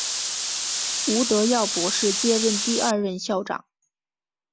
吴德耀博士接任第二任校长。